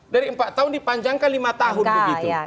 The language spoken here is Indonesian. dari empat tahun dipanjangkan lima tahun begitu